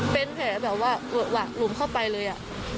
เป็นแผลแบบว่าเวอะหวะหลุมเข้าไปเลย